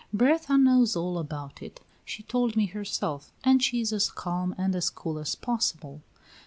Berta knows all about it; she told me herself, and she is as calm and as cool as possible.